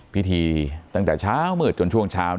พิธีตั้งแต่เช้ามืดจนช่วงเช้า